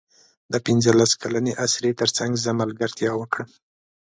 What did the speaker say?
د پنځلس کلنې اسرې تر څنګ زه ملګرتیا وکړم.